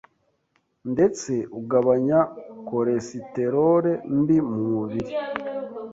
ndetse ugabanya kolesiterole mbi mu mubiri.